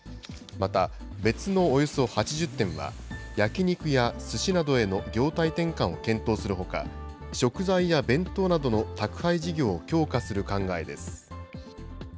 また、別のおよそ８０店は、焼き肉やすしなどへの業態転換を検討するほか、食材や弁当などの宅配事業を強化する考えです。